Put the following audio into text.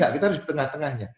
kita harus di tengah tengahnya